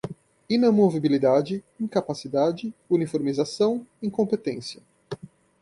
inamovibilidade, incapacidade, uniformização, incompetência